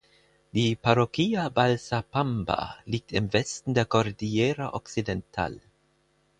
Die Parroquia Balsapamba liegt im Westen der Cordillera Occidental.